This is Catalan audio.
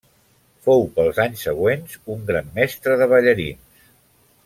Fou, pels anys següents, un gran mestre de ballarins.